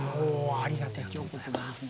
ありがとうございます。